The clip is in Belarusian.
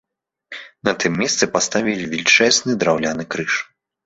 На тым месцы паставілі велічэзны драўляны крыж.